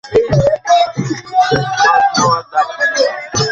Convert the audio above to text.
শ্বাস নাও, আর ধাক্কা দাও।